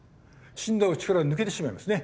死んだ方は力が抜けてしまいますね。